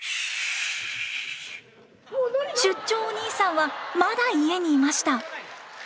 出張おにいさんはまだ家にいました。